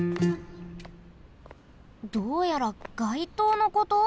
どうやら街灯のこと？